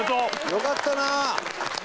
よかったね！